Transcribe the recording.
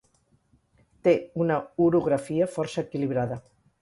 té una orografia força equilibrada